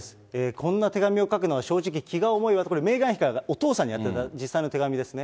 こんな手紙を書くのは正直、気が重いわと、これ、メーガン妃からお父さんに宛てた実際の手紙ですね。